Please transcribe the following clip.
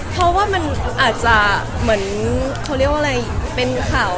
เพราะว่ามันอาจจะเหมือนเขาเรียกว่าอะไรเป็นข่าว